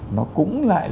nó cũng lại là